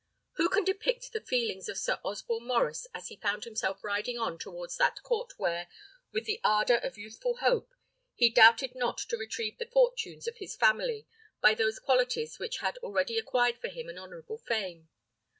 Who can depict the feelings of Sir Osborne Maurice as he found himself riding on towards that court where, with the ardour of youthful hope, he doubted not to retrieve the fortunes of his family by those qualities which had already acquired for him an honourable fame?